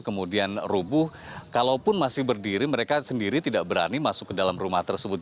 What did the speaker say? kemudian rubuh kalaupun masih berdiri mereka sendiri tidak berani masuk ke dalam rumah tersebut